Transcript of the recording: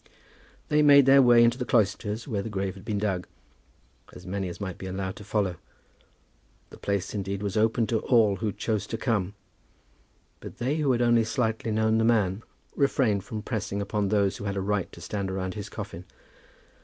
They made their way into the cloisters where the grave had been dug, as many as might be allowed to follow. The place indeed was open to all who chose to come; but they who had only slightly known the man, refrained from pressing upon those who had a right to stand around his coffin.